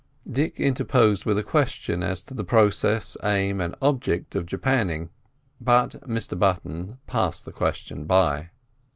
Dick interposed with a question as to the process, aim, and object of japanning, but Mr Button passed the question by.